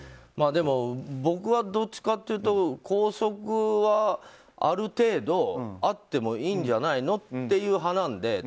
でも、僕はどっちかっていうと校則はある程度あってもいいんじゃないのという派なので。